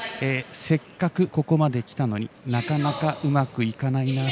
せっかくここまで来たのになかなかうまくいかないな。